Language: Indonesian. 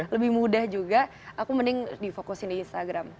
lebih mudah juga aku mending di fokusin di instagram